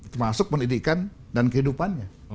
termasuk pendidikan dan kehidupannya